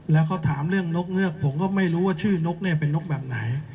แล้วเขาถามเรื่องนกเงือกผมก็ไม่รู้ว่าชื่อนกเนี่ยเป็นนกแบบไหน